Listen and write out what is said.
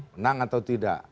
menang atau tidak